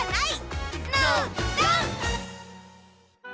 はい！